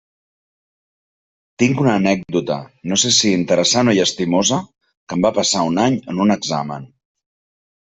Tinc una anècdota, no sé si interessant o llastimosa, que em va passar un any en un examen.